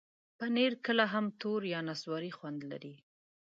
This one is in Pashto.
پنېر کله هم تور یا نسواري خوند لري.